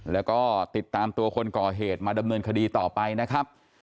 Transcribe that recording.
แล้วก็ติดตามตัวคนก่อเหตุมาดำเนินคดีต่อไปนะครับ